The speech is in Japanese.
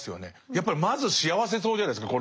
やっぱりまず幸せそうじゃないですか